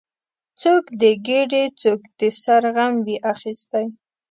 څوک د ګیډې، څوک د سر غم وي اخیستی